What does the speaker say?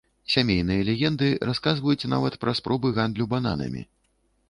Сямейныя легенды расказваюць нават пра спробы гандлю бананамі.